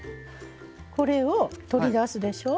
これを取り出すでしょ。